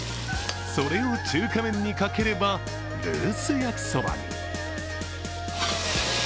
それを中華麺にかければルース焼きそばに。